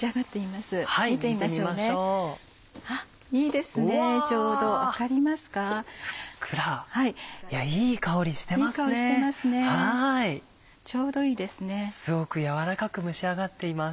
すごくやわらかく蒸し上がっています。